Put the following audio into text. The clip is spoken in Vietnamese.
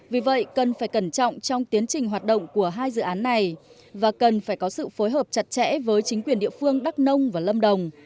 vì vậy cần phải cẩn trọng trong tiến trình hoạt động của hai dự án này và cần phải có sự phối hợp chặt chẽ với chính quyền địa phương đắk nông và lâm đồng